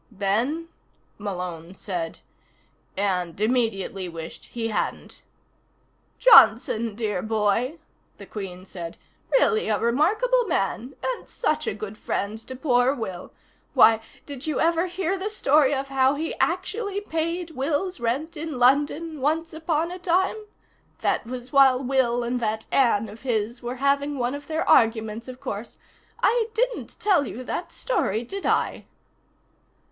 "Ben?" Malone said, and immediately wished he hadn't. "Johnson, dear boy," the Queen said. "Really a remarkable man and such a good friend to poor Will. Why, did you ever hear the story of how he actually paid Will's rent in London once upon a time? That was while Will and that Anne of his were having one of their arguments, of course. I didn't tell you that story, did I?"